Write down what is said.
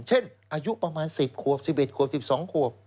อายุประมาณ๑๐ขวบ๑๑ขวบ๑๒ขวบ